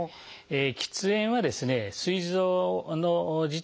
喫煙はですねすい臓自体